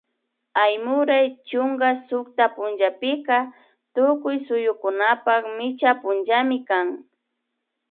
Aymuray chunka sukta punllapika tukuy suyukunapak micha punllami kan